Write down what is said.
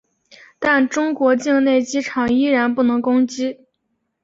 但中国境内机场依然不能攻击。